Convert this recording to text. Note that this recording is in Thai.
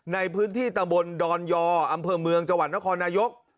ในพื้นที่ตำบลดอนยออำเภอเมืองจังหวัดนครนายก